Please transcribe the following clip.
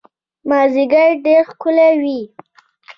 مازیګر ډېر ښکلی وي